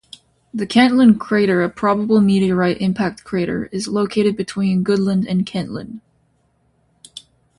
The Kentland crater, a probable meteorite impact crater, is located between Goodland and Kentland.